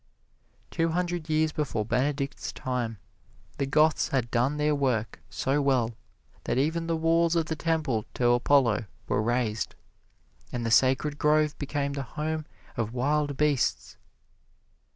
Two hundred years before Benedict's time the Goths had done their work so well that even the walls of the temple to Apollo were razed, and the sacred grove became the home of wild beasts.